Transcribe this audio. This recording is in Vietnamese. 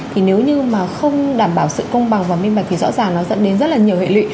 thì nếu như mà không đảm bảo sự công bằng và minh mạch thì rõ ràng nó dẫn đến rất là nhiều hệ lụy